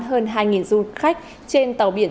hơn hai du khách trên tàu biển